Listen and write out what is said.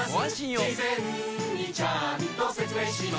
事前にちゃんと説明します